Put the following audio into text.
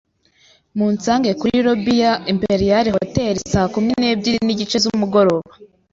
Munsange kuri lobby ya Imperial Hotel saa kumi n'ebyiri n'igice z'umugoroba